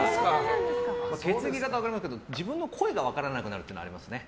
血液型は分かりますけど自分の声が分からなくなる時はありますね。